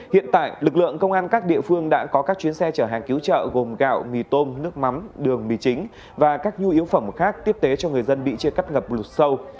hiện tại lực lượng công an các địa phương đã có các chuyến xe chở hàng cứu trợ gồm gạo mì tôm nước mắm đường mì chính và các nhu yếu phẩm khác tiếp tế cho người dân bị chia cắt ngập lụt sâu